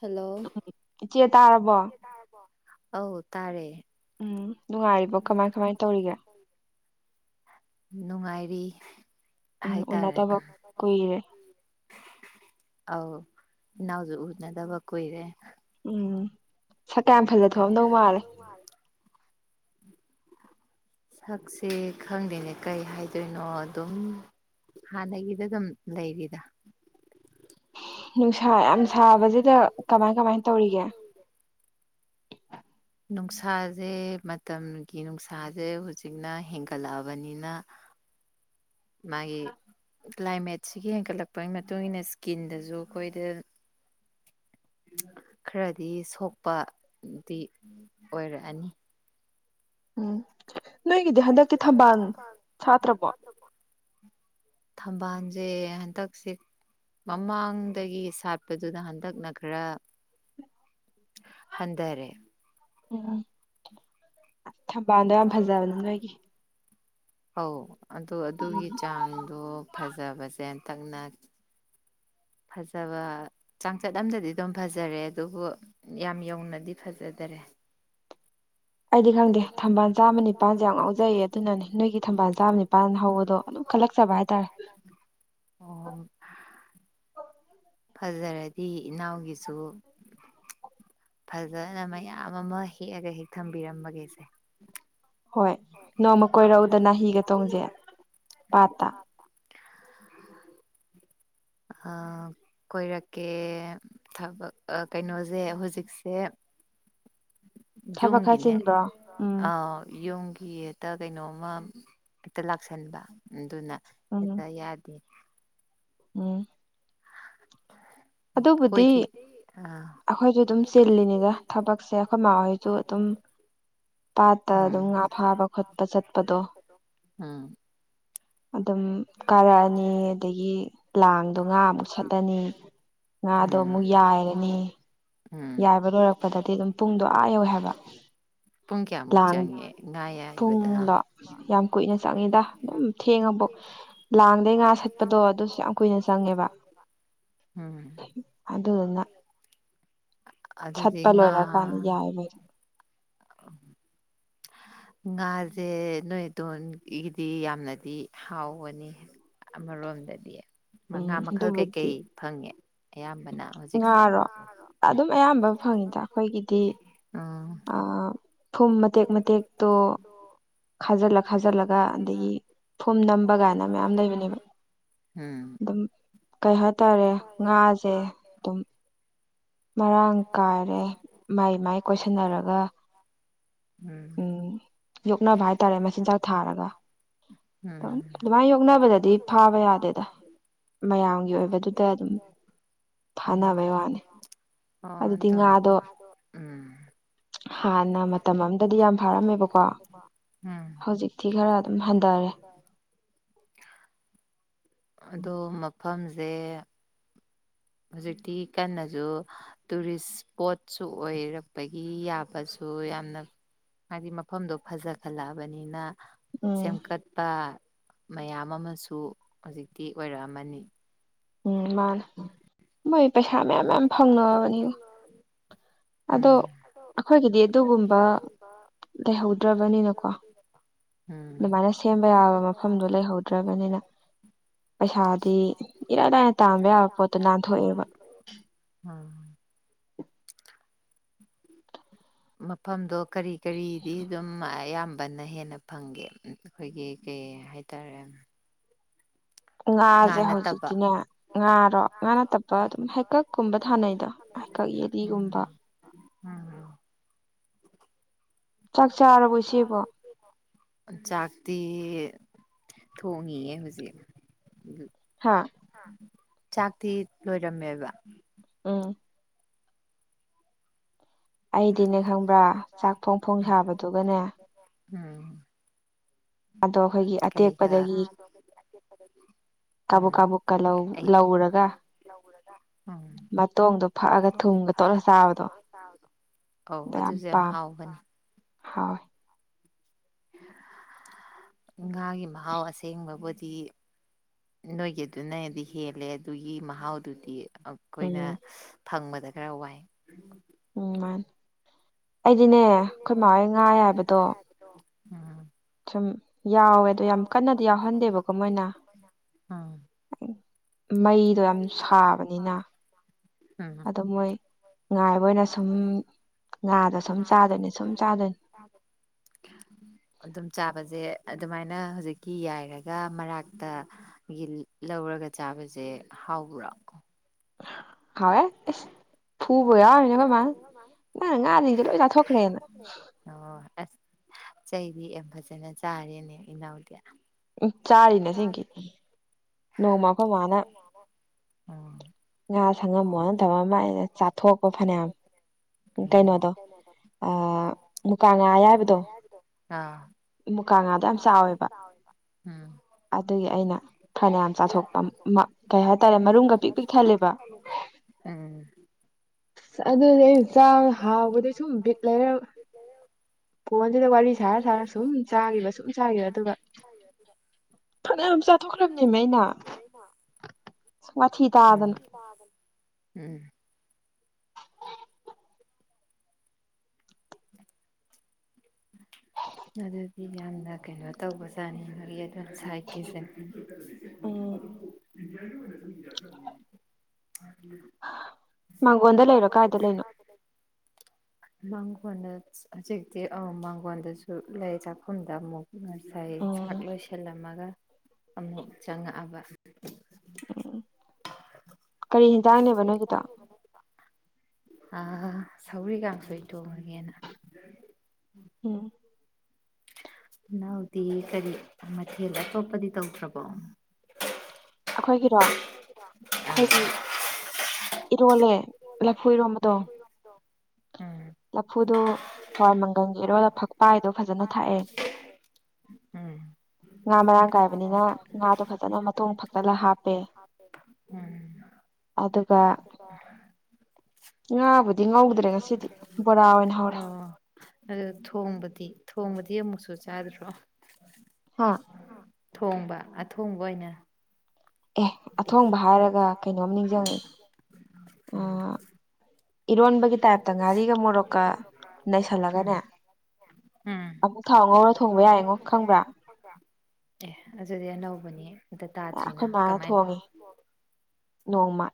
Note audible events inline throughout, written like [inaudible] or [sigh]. Hello ꯑꯧ ꯇꯥꯔꯦ ꯎꯝ ꯅꯨꯡꯉꯥꯏꯔꯤꯕꯣ ꯀꯃꯥꯏ ꯀꯃꯥꯏꯅ ꯇꯧꯔꯤꯒꯦ ꯅꯨꯡꯉꯥꯏꯔꯤ ꯍꯥꯏꯇꯥꯔꯦ ꯑ ꯅꯎꯁꯨꯅꯗꯕ ꯀꯣꯏꯣꯏꯔꯦ ꯎꯝ ꯁꯀꯌꯥꯝ ꯌꯥꯝ ꯐꯖ ꯊꯣꯛꯑꯝꯗꯧ ꯃꯥꯜꯂꯦ ꯎꯥꯏ [unintelligible] ꯁꯛꯁꯦ ꯈꯪꯗꯦꯅꯦ ꯀꯩ ꯍꯥꯏꯗꯣꯏꯅꯣ ꯑꯗꯨꯝ ꯍꯗꯗ ꯑꯗꯨꯝ ꯂ ꯂꯩꯕꯗ ꯅꯨꯡꯁꯥ ꯌꯥꯝ ꯁꯥꯕꯁꯤꯗ ꯀꯃꯥꯏ ꯀꯃꯥꯏꯅ ꯇꯧꯔꯤꯒꯦ ꯅꯨꯡꯁꯥꯁꯦ ꯃꯇꯝꯒꯤ ꯅꯨꯡꯁꯥꯁꯦ ꯍꯧꯖꯤꯛꯅ ꯍꯦꯟꯒꯠꯂꯛꯑꯕꯅꯤꯅ ꯃꯥꯒꯤ ꯀ꯭ꯂꯥꯏꯃꯦꯠꯁꯤꯒꯤ ꯍꯦꯟꯀꯠꯂꯛꯄꯒꯤ ꯃꯇꯨꯡ ꯏ ꯃꯇꯨꯡꯏꯟꯅ ꯏꯁꯀꯤꯟꯗꯁꯨ ꯑꯩꯈꯣꯏꯗ ꯈꯔꯗꯤ ꯁꯣꯛꯄꯗꯤ ꯑꯣꯏꯔꯛꯑꯅꯤ ꯎꯝ ꯅꯣꯏꯒꯤꯗꯤ ꯍꯟꯗꯛꯇꯤ ꯊꯝꯕꯥꯜ ꯁꯥꯇ꯭ꯔꯕꯣ ꯊꯝꯕꯥꯜꯁꯦ ꯍꯟꯗꯛꯁꯦ ꯃꯃꯥꯡꯗꯒꯤ ꯁꯥꯠꯄꯗꯨꯗ ꯍꯟꯗꯛꯅ ꯈꯔ ꯍꯟꯗꯔꯦ ꯎꯝ ꯊꯝꯕꯥꯜꯗꯣ ꯌꯥꯝ ꯐꯖꯕ ꯅ ꯅꯣꯏꯒꯤ ꯍꯧ ꯑꯗꯨꯣ ꯑꯗꯨꯒꯤ ꯆꯥꯡꯗꯣ ꯐꯖꯕꯁꯦ ꯍꯟꯇꯛꯅ ꯐꯖꯕ ꯆꯥꯡꯆꯠ ꯑꯝꯗꯗꯤ ꯑꯗꯨꯝ ꯐꯖꯔꯦ ꯑꯗꯨꯕꯨ ꯌꯥꯝ ꯌꯧꯅꯗꯤ ꯐꯖꯗꯔꯦ ꯑꯩꯗꯤ ꯈꯪꯗꯦ ꯊꯝꯕꯥꯜ ꯆꯥꯝꯃ ꯅꯤꯄꯥꯜꯁꯦ ꯌꯥꯝ ꯉꯥꯎꯖꯩꯌꯦ ꯑꯗꯨꯅꯅꯦ ꯅꯣꯏꯒꯤ ꯊꯝꯕꯥꯜ ꯆꯥꯝꯃ ꯅꯤꯄꯥꯜ ꯃꯄꯥꯟ ꯍꯧꯕꯗꯣ ꯑꯗꯨꯝ ꯈꯜꯂꯛꯆꯕ ꯍꯥꯏꯇꯥꯔꯦ ꯑꯣ ꯐꯖꯔꯗꯤ ꯏꯅꯥꯎꯒꯤꯁꯨ ꯐꯖꯅ ꯃꯌꯥꯝ ꯑꯃ ꯍꯦꯛꯑꯒ ꯍꯦꯛ ꯊꯝꯕꯤꯔꯝꯕꯒꯦꯁꯦ ꯍꯣꯏ ꯅꯣꯡꯃ ꯀꯣꯏꯔꯛꯎꯗꯅꯅꯥ ꯍꯤꯒ ꯇꯣꯡꯁꯦ ꯄꯥꯠꯇ [inaudible] ꯑ ꯀꯣꯏꯔꯛꯀꯦ ꯊꯕꯛ ꯀꯩꯅꯣꯁꯦ ꯍꯧꯖꯤꯛꯁꯦ [inaudible] ꯖꯨꯒꯅꯦ ꯑ ꯌꯨꯝꯒꯤ ꯍꯦꯛꯇ ꯀꯩꯅꯣꯝꯃ ꯍꯦꯛꯇ ꯂꯥꯛꯁꯟꯕ ꯑꯗꯨꯅ ꯍꯦꯛꯇ ꯑꯗꯨ ꯎꯝ ꯑꯗꯨꯕꯨꯗꯤ ꯑꯥ ꯑꯩꯈꯣꯏꯁꯨ ꯑꯗꯨꯝ ꯆꯤꯜꯂꯤꯅꯤꯗ ꯊꯕꯛꯁꯦ ꯑꯩꯈꯣꯏ ꯃꯥꯃꯥꯍꯣꯏꯁꯨ ꯑꯗꯨꯝ ꯝ ꯑꯗꯨꯝ ꯀꯥꯔꯛꯑꯅꯤ ꯑꯗꯒꯤ ꯂꯥꯡꯗꯣ ꯉꯥꯃꯨꯛ ꯁꯠꯂꯅꯤ ꯉꯥꯗꯣ ꯑꯃꯨꯛ ꯌꯥꯏꯔꯅꯤ ꯌꯥꯏꯕ ꯂꯣꯏꯔꯛꯄꯗꯗꯤ ꯑꯗꯨꯝ ꯄꯨꯡꯗꯣ ꯑꯥ ꯌꯧꯦ ꯍꯥꯏꯕ ꯂꯥꯡ ꯄꯨꯡꯗꯣ ꯌꯥꯝ ꯀꯨꯏꯅ ꯆꯪꯉꯤꯗ ꯑꯗꯨꯝ ꯊꯦꯡꯉꯕ ꯂꯥꯡꯗꯒꯤꯩ ꯉꯥ ꯁꯠꯄꯗꯣ ꯑꯗꯨꯁꯨ ꯌꯥꯝ ꯀꯨꯏꯅ ꯆꯪꯉꯦꯕ ꯎꯝ ꯑꯗꯨꯗ ꯑꯗꯨꯗꯤꯉ ꯑ ꯉꯥꯁꯦ ꯅꯣꯏꯇꯣꯟꯒꯤꯗꯤ ꯌꯥꯝꯅꯗꯤ ꯍꯥꯎꯒꯅꯤ ꯑꯃꯔꯣꯝꯗꯗꯤ ꯉꯥ ꯃꯈꯜ ꯀꯩꯀꯩ ꯐꯪꯉꯦ ꯑꯌꯥꯝꯕꯅ ꯉꯥꯔꯣ ꯑꯗꯨꯝ ꯑꯌꯥꯝꯕ ꯐꯪꯉꯤꯗ ꯑꯩꯈꯣꯏꯒꯤꯗꯤ ꯑꯥ ꯐꯨꯝ ꯃꯇꯦꯛ ꯃꯇꯦꯛꯇꯣ ꯈꯥꯖꯤꯜꯂ ꯈꯥꯖꯤꯜꯂꯒ ꯑꯗꯒꯤ ꯐꯨꯝ ꯅꯝꯕ ꯀꯥꯏꯅ ꯃꯌꯥꯝ ꯂꯩꯕꯅꯦꯕ ꯑꯗꯨꯝ ꯀꯩ ꯍꯥꯏꯇꯥꯔꯦ ꯉꯥꯁꯦ ꯑꯗꯨꯝ ꯃꯔꯥꯡ ꯀꯥꯏꯔꯦ ꯃꯥꯏ ꯃꯥꯏ ꯀꯣꯏꯁꯟꯅꯔꯒ ꯎꯝ ꯌꯣꯛꯅꯕ ꯍꯥꯏꯇꯥꯔꯦ ꯃꯆꯤꯟꯖꯥꯛ ꯊꯥꯔꯒ ꯑꯗꯨꯃꯥꯏꯅ ꯌꯣꯛꯅꯕꯗꯗꯤ ꯐꯥꯕ ꯌꯥꯗꯦꯗ ꯃꯌꯥꯝꯒꯤ ꯑꯣꯏꯕꯗꯨꯗ ꯑꯗꯨꯝ ꯎꯝ ꯑꯣ ꯑꯗꯨ ꯎꯝ ꯌꯥꯝ ꯏ [unintelligible] ꯑꯗꯣ ꯃꯐꯝꯁꯦ ꯍꯧꯖꯤꯛꯇꯤ ꯀꯟꯅꯖ ꯇꯨꯔꯤꯁ ꯏꯁꯄꯣꯠꯁꯨ ꯑꯣꯏꯔꯛꯄꯒꯤ ꯌꯥꯕꯁꯨ ꯌꯥꯝꯅ ꯍꯥꯏꯗꯤ ꯃꯐꯝꯗꯣ ꯐꯖꯈꯠꯂꯛꯑꯕꯅꯤꯅ ꯁꯦꯝꯒꯠꯄ ꯃꯌꯥꯝ ꯑꯃꯁꯨ ꯍꯧꯖꯤꯛꯇꯤ ꯑꯣꯏꯔꯛꯑꯃꯅꯤ ꯎꯝ ꯃꯥꯅꯦ ꯃꯣꯏ ꯄꯩꯁꯥ ꯃꯌꯥꯝ ꯃꯌꯥꯝ ꯐꯪꯅꯕꯅꯤ ꯑꯗꯣ ꯑꯩꯈꯣꯏꯒꯤꯗꯤ ꯑꯗꯨꯒꯨꯝꯕ ꯂꯩꯍꯧꯗ꯭ꯔꯕꯅꯤꯅꯀꯣ ꯑꯗꯨꯃꯥꯏꯅ ꯁꯦꯝꯕ ꯌꯥꯕ ꯃꯐꯝꯗꯣ ꯂꯩꯍꯧꯗ꯭ꯔꯕꯅꯤꯅ ꯄꯩꯁꯥꯗꯤ ꯏꯔꯥꯏ ꯂꯥꯏꯅ ꯇꯥꯟꯕ ꯌꯥꯕ ꯄꯣꯠꯇꯣ ꯅꯥꯟꯊꯣꯛꯑꯦꯕ ꯍꯥ [unintelligible] ꯃꯐꯝꯗꯣ ꯀꯔꯤ ꯀꯔꯤꯗꯤ ꯑꯗꯨꯝ ꯑꯌꯥꯝꯕꯅ ꯍꯦꯟꯅ ꯐꯪꯒꯦ ꯑꯩꯈꯣꯏꯒꯤ ꯀꯩ ꯍꯥꯏꯇꯥꯔꯦ ꯉꯥꯁꯦ ꯍꯧꯖꯤꯛꯇꯤꯅꯦ ꯉꯥꯔꯣ ꯉꯥ ꯅꯠꯇꯞꯄ ꯑꯗꯨꯝ ꯍꯩꯀꯛꯀꯨꯝꯕ ꯊꯥꯅꯩꯗꯣ ꯍꯩꯀꯛ ꯌꯦꯂꯤꯒꯨꯝꯕ ꯎꯝ ꯆꯥꯛ ꯆꯥꯔꯕꯣꯏ ꯏ ꯁꯤꯦꯕꯣ ꯆꯥꯛꯇꯤ ꯊꯣꯡꯉꯌꯦ ꯍꯧꯖꯤꯛ ꯍꯥꯥ ꯆꯥꯛꯇꯤ ꯂꯣꯏꯔꯝꯃꯦꯕ ꯎꯝ ꯑꯩꯗꯤꯅꯦ ꯈꯪꯕ꯭ꯔꯥ ꯆꯥꯛ ꯐꯣꯡ ꯐꯣꯡ ꯁꯥꯕꯗꯨꯒꯅꯦ ꯎꯝ ꯑꯗꯣ ꯑꯩꯈꯣꯏꯒꯤ ꯑꯇꯦꯛꯄꯗꯒꯤ ꯀꯥꯕꯨꯛ ꯀꯥꯕꯨꯛꯀ ꯂꯧꯔꯒ ꯃꯇꯣꯡꯗꯣ ꯐꯛꯑꯒ ꯊꯨꯝꯒ ꯇꯣꯠꯂ ꯆꯥꯕꯗꯣ [unintelligible] ꯑꯧ ꯑꯗꯨꯁꯨ ꯌꯥꯝ ꯍꯥꯎꯕꯅꯦ [unintelligible] [unintelligible] ꯉꯥꯒꯤ ꯃꯍꯥꯎ ꯑꯁꯦꯡꯕꯕꯨꯗꯤ ꯅꯣꯏꯒꯤꯗꯨꯅꯗꯤ ꯍꯦꯜꯂꯦ ꯑꯗꯨꯒꯤ ꯃꯍꯥꯎꯗꯨꯗꯤ ꯈꯣꯏꯅ ꯐꯪꯕꯗ ꯈꯔ ꯋꯥꯏ ꯎꯝ ꯃꯥꯅꯤ ꯑꯩꯗꯤꯅꯦ ꯑꯩꯈꯣꯏ ꯃꯥꯃꯣꯏ ꯉꯥ ꯍꯥꯏꯕꯗꯣ [unintelligible] ꯎꯝ ꯁꯨꯝ ꯌꯥꯎꯋꯦ ꯑꯗꯣ ꯌꯥꯝ ꯀꯟꯅꯗꯤ ꯌꯥꯎꯍꯟꯗꯦꯕꯀꯣ ꯃꯣꯏꯅ ꯃꯩꯗꯣ ꯌꯥꯝ ꯁꯥꯕꯅꯤꯅ ꯑꯗꯨ ꯃꯣꯏ ꯉꯥꯏꯕ ꯑꯣꯏꯅ ꯁꯨꯝ ꯉꯥꯗ ꯁꯨꯝ ꯆꯥꯗꯣꯏꯅꯤ ꯁꯨꯝ ꯆꯥꯗꯣꯏꯅꯤ [unintelligible] ꯑꯗꯨꯝ ꯆꯥꯕꯁꯦ ꯑꯗꯨꯃꯥꯏꯅ ꯍꯧꯖꯤꯛꯀꯤ ꯌꯥꯏꯔꯒ ꯃꯔꯥꯛꯇ [unintelligible] ꯂꯧꯔꯒ ꯆꯥꯕꯁꯦ ꯍꯥꯎꯕ꯭ꯔꯣ ꯍꯥꯎꯑ ꯑꯦꯁ ꯐꯨꯕ ꯌꯥꯎꯃꯤꯅ ꯑꯩꯈꯣꯏ ꯏ ꯃꯥꯃ ꯅꯪꯅ ꯉꯥꯁꯤꯡꯁꯦ ꯂꯣꯏ ꯆꯥꯊꯣꯛꯈ꯭ꯔꯦꯅ ꯑꯣ ꯑꯁ ꯆꯩꯗꯤ ꯌꯥꯝ ꯐꯖꯅ ꯆꯥꯔꯦꯅꯦ ꯏꯅꯥꯎꯗꯤ ꯎꯝ ꯆꯥꯔꯤꯅ ꯅꯣꯡꯃꯐꯝ ꯃꯥꯅ ꯉꯥ ꯁꯪꯉꯝꯃꯣꯅ ꯊꯕꯛ ꯑꯃ ꯑꯩꯅ ꯆꯥꯊꯣꯛꯄ ꯐꯅꯌꯥꯝ ꯀꯩꯅꯣꯗꯣ ꯃꯨꯀꯥ ꯉꯥ ꯍꯥꯏꯏꯕꯗꯣ ꯑꯥ ꯎꯝ [unintelligible] ꯎꯝ ꯑꯁ ꯑꯗꯨꯗꯤ ꯑꯩꯅ ꯆꯥꯕ ꯍꯥꯎꯕꯗꯩ ꯁꯨꯝ ꯕꯤꯛ ꯂꯩꯔꯦ ꯐꯣꯟꯁꯤꯗ ꯋꯥꯔꯤ ꯁꯥꯔ ꯁꯥꯔ ꯁꯨꯝ ꯆꯥꯒꯤꯕ ꯁꯨꯝ ꯆꯥꯈꯤꯕ ꯑꯗꯨꯒ ꯐꯅꯥꯝ ꯆꯥꯏ ꯇꯣꯛꯈ꯭ꯔꯕꯅꯦ ꯑꯩꯅ ꯋꯥꯊꯤ ꯇꯥꯗꯅ ꯎꯝ [unintelligible] ꯑꯗꯨꯗꯤ ꯌꯥꯝꯅ ꯀꯩꯅꯣ ꯇꯧꯕꯖꯥꯅꯤꯡꯕꯒꯤ ꯑꯗꯨꯝ ꯁꯥꯏꯠꯀꯤꯁꯦ꯫ [unintelligible] [inaudible] ꯃꯥꯡꯒꯣꯟꯗ ꯂꯩꯔꯣ ꯀꯥꯏꯗ ꯂꯩꯅꯣ꯫ ꯃꯥꯡꯒꯣꯟꯗ ꯍꯧꯖꯤꯛꯇꯤ ꯑ ꯃꯥꯡꯒꯣꯟꯗꯁꯨ ꯂꯩ ꯆꯥꯛꯈꯨꯝꯗ ꯑꯃꯨꯛ꯫ ꯉꯁꯥꯏ ꯆꯥꯛ ꯂꯣꯏꯁꯤꯜꯂꯝꯃꯒ ꯑꯃꯨꯛ ꯆꯪꯉꯛꯑꯕ꯫ ꯀꯔꯤ ꯍꯦꯟꯖꯥꯡꯅꯦꯕ ꯅꯣꯏꯒꯤꯗꯣ꯫ ꯑ ꯁꯧꯒ꯭ꯔꯤ ꯀꯥꯡꯁꯣꯏ ꯊꯣꯡꯑꯒꯦꯅ꯫ ꯎꯝ꯫ ꯏꯅꯥꯎꯗꯤ ꯀꯔꯤ ꯃꯊꯦꯜ ꯑꯇꯣꯞꯄꯗꯤ ꯇꯧꯗ꯭ꯔꯕꯣ꯫ ꯑꯩꯈꯣꯏꯒꯤꯔꯣ ꯑꯩꯈꯣꯏꯒꯤ ꯏꯔꯣꯜꯂꯦ꯫ ꯂꯐꯨ ꯏꯔꯣꯝꯕꯗꯣ꯫ [unintelligible] ꯎꯝ꯫ [inaudible] ꯎꯝ꯫ [inaudible] ꯉꯥꯕꯨꯗꯤ ꯉꯧꯗ꯭ꯔꯦ ꯉꯁꯤꯗꯤ꯫ ꯑꯣ꯫ ꯑꯗꯨ ꯊꯣꯡꯕꯗꯤ ꯊꯣꯡꯕꯗꯤ ꯑꯃꯨꯛꯁꯨ ꯆꯥꯗ꯭ꯔꯣ꯫ ꯍꯥꯥ꯫ ꯊꯣꯡꯕ ꯑꯊꯣꯡꯕ ꯑꯣꯏꯅ꯫ ꯑꯦ ꯑꯊꯣꯡꯕ ꯍꯥꯏꯔꯒ ꯀꯩꯅꯣꯝꯃ ꯅꯤꯡꯁꯪꯏ ꯑ ꯏꯔꯣꯟꯕꯒꯤ ꯇꯥꯏꯞꯇ ꯉꯥꯔꯤꯒ ꯃꯣꯔꯣꯛꯀ ꯅꯩꯁꯜꯂꯒꯅꯦ ꯑꯃꯨꯛ ꯊꯥꯎ ꯉꯧꯔ ꯊꯣꯡꯕ ꯌꯥꯏꯌꯦꯉꯣ ꯈꯪꯕ꯭ꯔꯥ꯫ ꯑꯦ ꯑꯗꯨꯗꯤ ꯑꯅꯧꯕꯅꯤ ꯑꯃꯇ ꯇꯥꯗ꯭ꯔꯤꯅ ꯀꯃꯥꯏꯅ ꯅꯣꯡꯃ꯫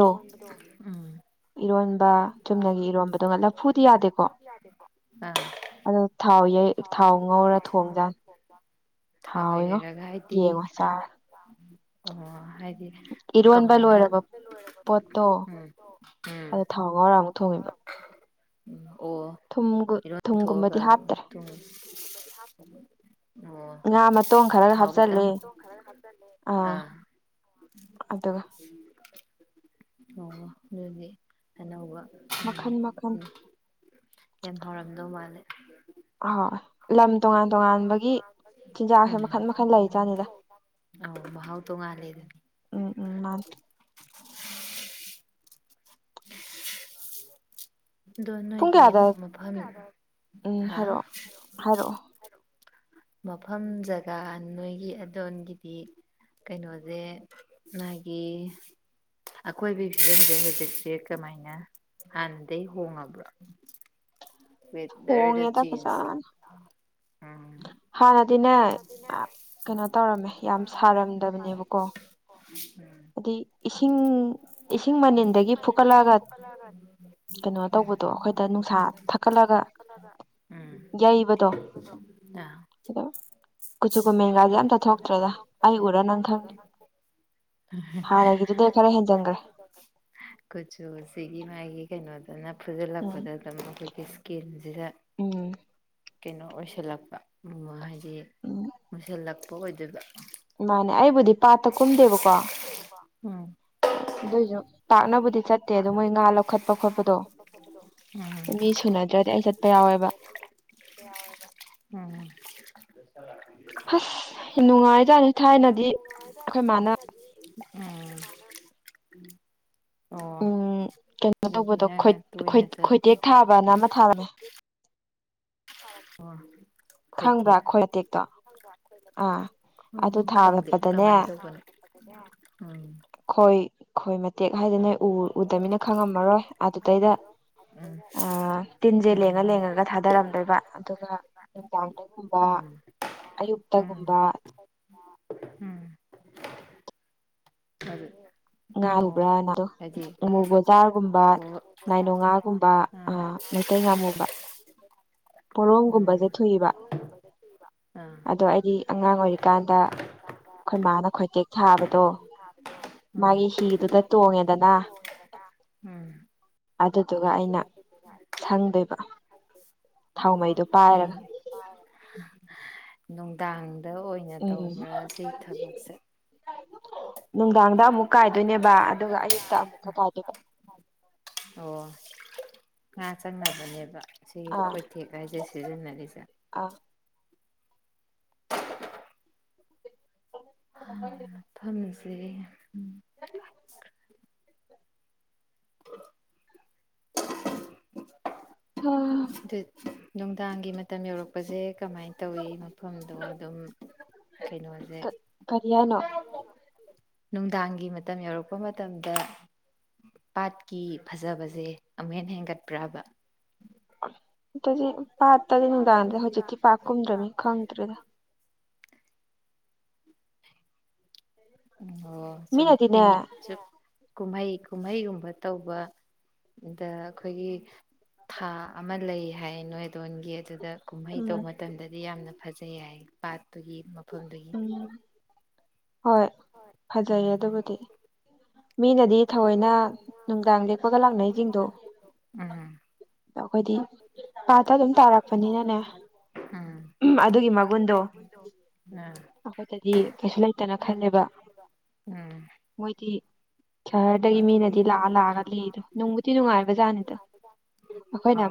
ꯏꯔꯣꯟꯕꯗꯣ ꯎꯝ [unintelligible] ꯊꯥꯎ ꯌꯩ ꯊꯥꯎ ꯉꯧꯔ ꯊꯣꯡꯖꯥꯅꯤ꯫ ꯊꯥꯎ ꯍꯩꯔꯒ ꯍꯥꯏꯗꯤ ꯑꯣ ꯍꯥꯏꯗꯤ ꯀꯃꯥꯏꯅ ꯎꯝ ꯎꯝ ꯊꯥꯎ ꯉꯧꯔꯥ ꯑꯃꯨꯛ ꯊꯣꯡꯉꯤꯕ꯫ ꯑꯣ ꯏꯔꯣꯟ ꯊꯣꯛꯑꯒ ꯇꯨꯡ [unintelligible] ꯑꯣ ꯊꯥꯎꯒꯇꯪ ꯑ [unintelligible] ꯑꯣ ꯑꯗꯨꯗꯤ ꯑꯅꯧꯕ [unintelligible] ꯌꯥꯝ ꯍꯥꯎꯔꯝꯗꯧ ꯃꯥꯜꯂꯦ꯫ ꯑꯍꯣꯏ ꯂꯝ ꯇꯣꯉꯥꯟ ꯇꯣꯉꯥꯟꯕꯒꯤ ꯆꯤꯟꯖꯥꯛꯁꯦ ꯃꯈꯟ ꯃꯈꯟ ꯂꯩꯖꯥꯠꯅꯤꯗ꯫ ꯑꯧ ꯃꯍꯥꯎ ꯇꯣꯡꯉꯥꯂꯦꯗꯨꯅꯤ꯫ ꯎꯝ ꯃꯥꯅꯤ꯫ [unintelligible] ꯗꯣ ꯅꯣꯏꯒꯤ ꯃꯐꯝ ꯍꯥ ꯃꯐꯝ ꯖꯒꯥ ꯅꯣꯏꯒꯤ ꯑꯗꯣꯝꯒꯤꯗꯤ ꯀꯩꯅꯣꯖꯦ ꯅꯣꯏꯒꯤ ꯑꯀꯣꯏꯕꯩ ꯐꯤꯕꯝꯁꯦ ꯍꯧꯖꯤꯛ ꯑꯦ ꯀꯃꯥꯏꯅ ꯍꯥꯟꯗꯩ ꯍꯣꯡꯉꯕ꯭ꯔꫭ꯫ ꯋꯦꯗꯔꯗ ꯆꯦꯟꯖ ꯍꯥꯟꯅꯗꯤꯅꯦ ꯀꯩꯅꯣ ꯇꯧꯔꯝꯃꯦ ꯌꯥꯝ ꯁꯥꯔꯝꯗꯕꯅꯦꯕꯀꯣ꯫ [unintelligible] ꯑꯗꯤ ꯏꯁꯤꯡ ꯏꯁꯤꯡ ꯃꯅꯤꯜꯗꯒꯤ ꯐꯨꯀ ꯑꯗꯒꯤ ꯐꯨꯀꯠꯂꯒ ꯀꯩꯅꯣ ꯇꯧꯕꯗꯣ ꯊꯛꯀꯠꯂꯒ ꯌꯩꯕꯗꯣ ꯑꯥ ꯀꯨꯆꯨ ꯀꯨꯃꯦꯟꯒꯖꯦ ꯑꯝꯇ ꯊꯣꯛꯇꯒꯩ ꯑꯩ ꯎꯔ ꯅꯪ ꯍꯥꯟꯅꯒꯤꯗꯨꯗꯩ ꯈꯔ ꯍꯦꯟꯖꯤꯟꯒ꯭ꯔꯦ ꯀꯨꯆꯨꯁꯤꯒꯤ ꯃꯥꯒꯤ ꯀꯩꯅꯣꯗꯨꯅ ꯐꯨꯖꯤꯜꯂꯛꯄꯗ ꯑꯗꯨꯝ ꯑꯩꯈꯣꯏꯒꯤ ꯀꯦꯟꯁꯤꯗ ꯀꯩꯅꯣ ꯑꯣꯏꯁꯜꯂꯛꯄ ꯃ ꯍꯥꯏ ꯁꯤ ꯃꯨꯁꯤꯜꯂꯛꯄ ꯑꯣꯏꯗꯣꯏꯕ ꯃꯥꯅꯦ ꯑꯩꯕꯨꯗꯤ ꯄꯥꯠꯇ ꯀꯨꯝꯗꯦꯕꯀꯣ ꯑꯗꯣꯏꯁꯨ ꯄꯥꯛꯅꯕꯨꯗꯤ ꯆꯠ ꯇꯦ ꯑꯗꯨ ꯃꯣꯏ ꯉꯥ ꯂꯧꯈꯠꯄ ꯈꯣꯠꯄꯗꯣ ꯃꯤ ꯁꯨꯅꯗ꯭ꯔꯗꯤ ꯑꯩ ꯆꯠꯄ ꯌꯥꯎꯋꯦꯕ ꯎꯝ ꯑꯁ ꯌꯥꯝ ꯅꯨꯡꯉꯥꯏꯖꯥꯠꯅꯦ ꯊꯥꯏꯅꯗꯤ ꯑꯩꯈꯣꯏ ꯃꯥꯅ ꯎꯝ ꯎꯝ ꯀꯩꯅꯣ ꯇꯧꯕꯗꯣ ꯈꯣꯏꯇꯦꯛ ꯊꯥꯕꯅ ꯑꯃ ꯊꯥꯕꯗꯣ [inaudible] ꯈꯪꯕ꯭ꯔꯥ ꯈꯣꯏꯇꯦꯛꯇꯣ ꯎꯝ ꯈꯪꯗꯦ ꯀꯃꯥꯏꯅ ꯇꯧꯕꯅꯣ ꯎꯝ ꯈꯣꯏ ꯈꯣꯏ ꯃꯇꯦꯛ ꯍꯥꯏꯗꯤꯅꯦ ꯎ ꯎꯗꯝꯅꯤꯅ ꯈꯪꯉꯝꯃꯔꯣꯏ ꯑꯗꯨꯗꯥꯅꯦ ꯇꯤꯟꯁꯦ ꯂꯦꯡꯉ ꯂꯦꯡꯉꯒ ꯊꯥꯗꯔꯝꯗꯣꯏꯕ ꯑꯗꯨꯒ ꯅꯨꯡꯗꯥꯡꯗꯒꯨꯝꯕ ꯑꯌꯨꯛꯇꯒꯨꯝꯕ ꯉ ꯍꯨꯕ꯭ꯔꯣꯅ [inaudible] ꯍꯥꯏꯗꯤ ꯃꯨꯒꯣꯜꯗꯥꯔꯒꯨꯝꯕ ꯅꯥꯏꯅꯣꯉꯥꯒꯨꯝꯕ ꯑꯥ ꯑꯇꯩ ꯉꯥꯃꯨꯒ ꯄꯣꯔꯣꯝꯒꯨꯝꯕꯁꯦ ꯊꯨꯏꯕ ꯑꯗꯣ ꯑꯩꯗꯤ ꯑꯉꯥꯡ ꯑꯣꯏꯔꯤꯀꯥꯟꯗ ꯑꯩꯈꯣꯏ ꯃꯥꯅ ꯈꯣꯏꯇꯦꯛ ꯊꯥꯕꯗꯣ ꯊꯥꯕꯗꯣ ꯃꯥꯒꯤ ꯍꯤꯗꯨꯗ ꯇꯣꯡꯉꯦꯗꯅ ꯑꯗꯨꯗꯨꯒ ꯑꯩꯅ ꯁꯪꯗꯣꯏꯕ ꯊꯥꯎ ꯃꯩꯗꯣ ꯄꯥꯏꯔꯒ ꯅꯨꯡꯗꯥꯡꯗ ꯑꯣꯏꯅ ꯇꯧꯕ꯭ꯔꯥ ꯁꯤ ꯊꯕꯛꯁꯦ ꯅꯨꯡꯗꯥꯡꯗ ꯑꯃꯨꯛ ꯀꯥꯏꯗꯣꯏꯅꯦꯕ ꯑꯗꯨꯒ ꯑꯌꯨꯛꯇ ꯑꯃꯨꯛꯀ ꯀꯥꯏꯗꯣꯏꯕ ꯑꯣ ꯉꯥ ꯆꯪꯅꯕꯅꯦꯕ ꯁꯤꯒꯤ ꯈꯣꯏꯇꯦꯛ ꯀꯥꯏꯖꯦ ꯁꯤꯖꯅꯔꯤꯁꯦ ꯍꯥ ꯃꯐꯝꯁꯦ [inaudible] [inaudible] ꯍꯥ ꯑꯗꯨ ꯅꯨꯡꯗꯥꯡꯒꯤ ꯃꯇꯝ ꯌꯧꯔꯛꯄꯁꯦ ꯀꯃꯥꯏꯅ ꯇꯧꯋꯤ ꯃꯐꯝꯗꯣ ꯑꯗꯨꯝ ꯀꯩꯅꯣꯁꯦ ꯅꯨꯡꯗꯥꯡꯒꯤ ꯃꯇꯝ ꯌꯧꯔꯛꯄ ꯃꯇꯝꯗ ꯄꯥꯠꯀꯤ ꯐꯖꯕꯁꯦ ꯑꯃꯨꯛ ꯍꯦꯟꯅ ꯍꯦꯟꯒꯠꯄ꯭ꯔꯕ ꯄꯥꯠꯇꯗꯤ ꯅꯨꯡꯗꯥꯡꯗ ꯍꯧꯖꯤꯛꯇꯤ ꯄꯥꯛ ꯀꯨꯝꯗ꯭ꯔꯃꯤꯅ ꯈꯪꯗ꯭ꯔꯦꯗ ꯑꯣ ꯁꯨꯝ ꯃꯤ ꯁꯨꯝ ꯀꯨꯝꯍꯩ ꯀꯨꯝꯍꯩꯒꯨꯝꯕ ꯇꯧꯕ ꯗ ꯑꯩꯈꯣꯏꯒꯤ ꯊꯥ ꯑꯃ ꯂꯩ ꯍꯥꯏ ꯅꯣꯏꯗꯣꯟꯒꯤ ꯑꯗꯨꯗ ꯀꯨꯝꯍꯩ ꯇꯧꯕ ꯃꯇꯝꯗꯗꯤ ꯌꯥꯝꯅ ꯐꯖꯩ ꯍꯥꯏ ꯄꯥꯠꯇꯨꯒꯤ ꯃꯐꯝꯗꯨꯒꯤ ꯍꯣꯏ ꯐꯖꯩꯌꯦ ꯑꯗꯨꯕꯨꯗꯤ ꯃꯤꯅꯗꯤ ꯊꯑꯣꯏꯅ ꯅꯨꯡꯗꯥꯡ ꯂꯦꯛꯄꯒ ꯂꯥꯛꯅꯩꯁꯤꯡꯗꯣ ꯑꯗꯣ ꯑꯩꯈꯣꯏꯗꯤ ꯄꯥꯠꯇ ꯑꯗꯨꯝ ꯇꯥꯔꯛꯄꯅꯤꯅꯅꯦ ꯎꯝ ꯑꯩꯈꯣꯏꯗꯗꯤ ꯀꯩꯁꯨ ꯂꯩꯇꯅ ꯈꯜꯂꯦꯕ ꯎꯝ ꯃꯣꯏꯗꯤ ꯁꯍꯔꯗꯒꯤ ꯃꯤꯅꯗꯤ ꯂꯥꯛꯑ ꯂꯥꯛꯑꯒ ꯂꯦꯛꯏꯗꯣ ꯅꯨꯡꯕꯨꯗꯤ ꯅꯨꯡꯉꯥꯏꯕ ꯖꯥꯠꯅꯤꯗ ꯑꯩꯈꯣꯏꯅ ꯑꯃ